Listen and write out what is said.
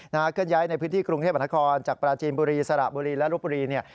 เคลื่อนย้ายในพื้นที่กรุงเทพมหานครจากปราจีนบุรีสระบุรีและลบบุรีเนี่ย